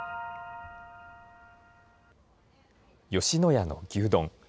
吉野家の牛丼。